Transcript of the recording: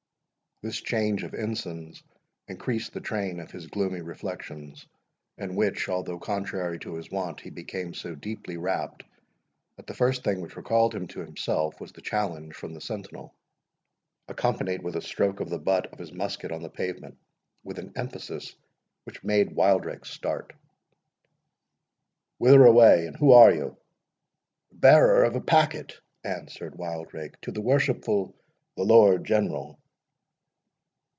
This change of ensigns increased the train of his gloomy reflections, in which, although contrary to his wont, he became so deeply wrapped, that the first thing which recalled him to himself, was the challenge from the sentinel, accompanied with a stroke of the butt of his musket on the pavement, with an emphasis which made Wildrake start. "Whither away, and who are you?" "The bearer of a packet," answered Wildrake, "to the worshipful the Lord General."